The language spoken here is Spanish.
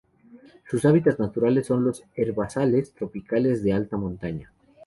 Sus hábitats naturales son los herbazales tropicales de alta montaña.